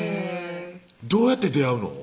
どうやって出会うの？